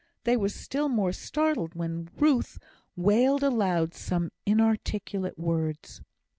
They were still more startled when Ruth wailed aloud some inarticulate words.